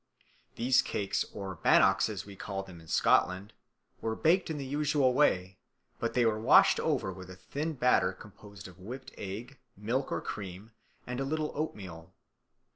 These cakes, or bannocks as we call them in Scotland, were baked in the usual way, but they were washed over with a thin batter composed of whipped egg, milk or cream, and a little oatmeal.